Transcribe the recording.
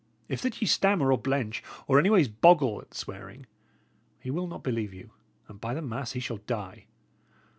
If that ye stammer or blench, or anyways boggle at the swearing, he will not believe you; and by the mass, he shall die.